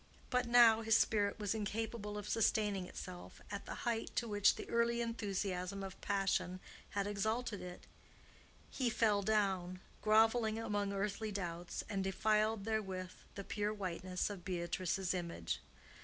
But now his spirit was incapable of sustaining itself at the height to which the early enthusiasm of passion had exalted it; he fell down, grovelling among earthly doubts, and defiled therewith the pure whiteness of Beatrice's image.